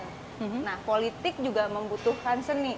dan dunia politik juga membutuhkan seni